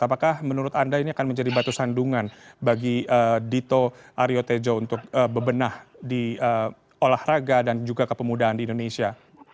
apakah menurut anda ini akan menjadi batu sandungan bagi dito aryo tejo untuk bebenah di olahraga dan juga kepemudaan di indonesia